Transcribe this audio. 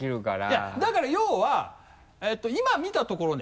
いやだから要は今見たところね。